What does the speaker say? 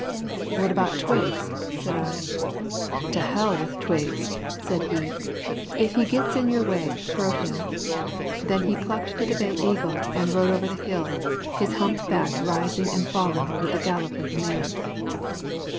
"What about Twiggs?" said I. "To hell with Twiggs," said he. "If he gits in your way, throat him." Then he clucked to the Bay Eagle and rode over the hill, his humped back rising and falling with the gallop of the mare.